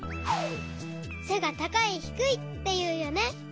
せが「たかい」「ひくい」っていうよね。